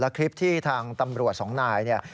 แล้วคลิปที่ทางตำรวจหลังสองนาย